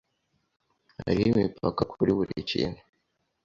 Hariho imipaka kuri buri kintu.